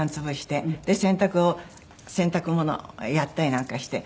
洗濯を洗濯物やったりなんかして。